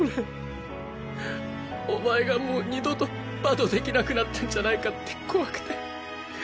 俺お前がもう二度とバドできなくなったんじゃないかって怖くて。